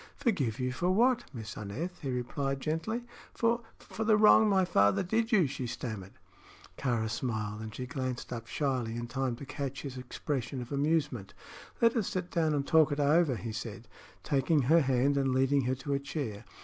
"Forgive you for what, Miss Aneth?" he replied, gently. "For for the wrong my father did you," she stammered. Kāra smiled, and she glanced up shyly in time to catch his expression of amusement. "Let us sit down and talk it over," he said, taking her hand and leading her to a chair.